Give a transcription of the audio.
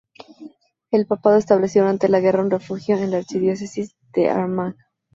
El Papado estableció durante la guerra un refugio en la Archidiócesis de Armagh.